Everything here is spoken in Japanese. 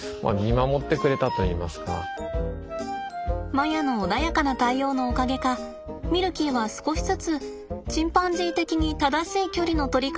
マヤの穏やかな対応のおかげかミルキーは少しずつチンパンジー的に正しい距離の取り方を学んでいきました。